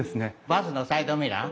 バスのサイドミラー。